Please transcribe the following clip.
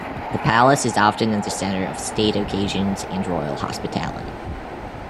The palace is often at the centre of state occasions and royal hospitality.